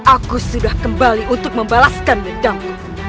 aku sudah kembali untuk membalaskan medamku